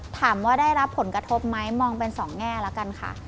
ถามว่าได้รับผลกระทบไหมมองเป็นสองแง่แล้วกันค่ะ